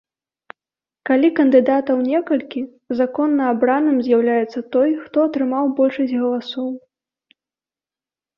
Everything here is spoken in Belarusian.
Калі кандыдатаў некалькі, законна абраным з'яўляецца той, хто атрымаў большасць галасоў.